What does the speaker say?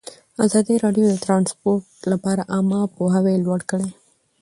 ازادي راډیو د ترانسپورټ لپاره عامه پوهاوي لوړ کړی.